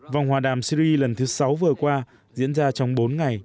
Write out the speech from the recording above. vòng hòa đàm syri lần thứ sáu vừa qua diễn ra trong bốn ngày